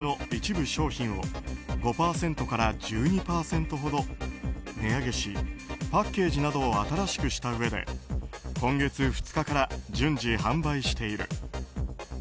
セブン‐イレブンではサンドイッチの一部商品を５％から１２％ほど値上げしパッケージなどを新しくしたうえで今月２日から順次販売している。